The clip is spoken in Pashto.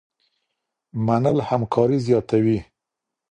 منل همکاري زياتوي.